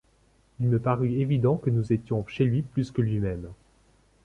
Il me parut évident que nous étions chez lui plus que lui-même.